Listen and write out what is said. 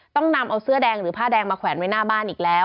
ต้องนำเอาเสื้อแดงหรือผ้าแดงมาแขวนไว้หน้าบ้านอีกแล้ว